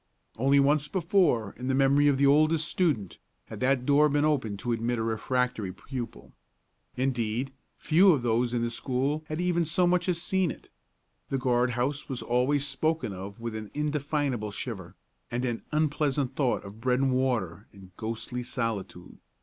Only once before, in the memory of the oldest student, had that door been opened to admit a refractory pupil. Indeed, few of those in the school had even so much as seen it. The guard house was always spoken of with an indefinable shiver, and an unpleasant thought of bread and water and ghostly solitude.